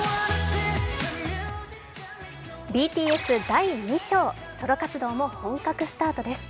ＢＴＳ第２章、ソロ活動も本格スタートです。